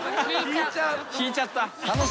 引いちゃった。